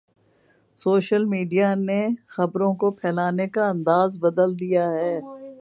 Social media نے خبروں کو پھیلانے کا انداز بدل دیا ہے۔